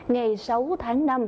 ngày sáu tháng năm